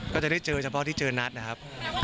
ก็จะได้เจอเฉพาะที่เจอนัดนะครับ